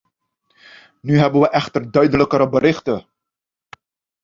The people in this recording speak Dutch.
Nu hebben wij echter duidelijkere berichten.